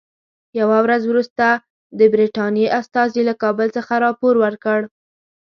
یوه ورځ وروسته د برټانیې استازي له کابل څخه راپور ورکړ.